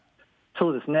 そうですね。